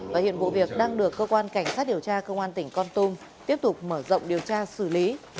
và hiện vụ việc đang được cơ quan cảnh sát điều tra công an tỉnh con tum tiếp tục mở rộng điều tra xử lý